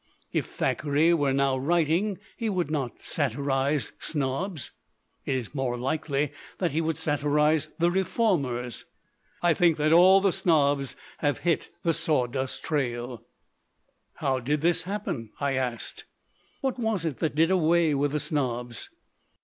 If Thackeray were now writing, he would not satirize snobs. It is more likely that he would satirize the reformers. I think that all the snobs have hit the sawdust trail." 1 'How did this happen?" I asked. "What was it that did away with the snobs?"